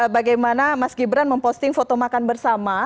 bagaimana mas gibran memposting foto makan bersama